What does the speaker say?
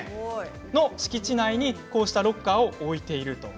その敷地内にこうしたロッカーを置いていると。